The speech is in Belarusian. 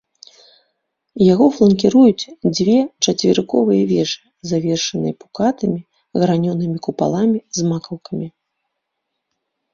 Яго фланкіруюць дзве чацверыковыя вежы, завершаныя пукатымі гранёнымі купаламі з макаўкамі.